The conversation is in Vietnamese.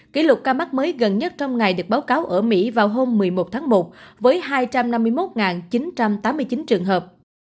kỷ lục ca mắc mới gần nhất trong ngày được báo cáo ở mỹ vào hôm một mươi một tháng một với hai trăm năm mươi một chín trăm tám mươi chín trường hợp